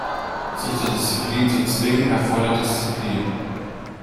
Sich zur Disziplin zu zwingen, erfordert Disziplin.